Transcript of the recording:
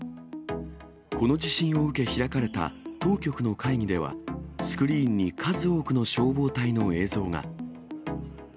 この地震を受け開かれた当局の会議では、スクリーンに数多くの消防隊の映像が。